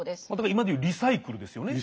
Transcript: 今で言うリサイクルですよね。